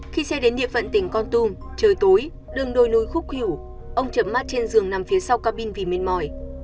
khi xe đến địa phận tỉnh con tùng trời tối đường đôi núi khúc hữu ông chậm mắt trên giường nằm phía sau cabin vì mệt mỏi